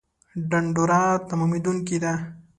ډنډوره تمامېدونکې ده